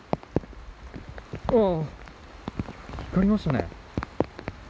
おう、光りましたね。